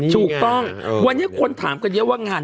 ถูกต้องวันนี้คนถามกันเยอะว่างาน